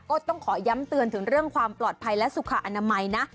ก็ต้องขอย้ำเตือนถึงเรื่องความปลอดภัยและสุขอนามัยนะ